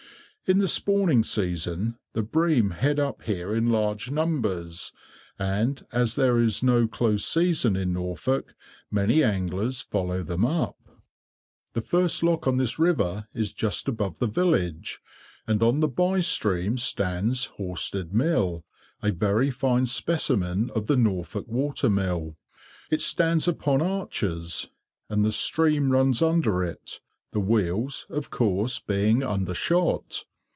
In the spawning season, the bream head up here in large numbers, and as there is no close season in Norfolk, many anglers follow them up. The first lock on this river is just above the village, and on the bye stream stands Horstead mill, a very fine specimen of the Norfolk water mill. It stands upon arches, and the stream runs under it, the wheels, of course, being undershot.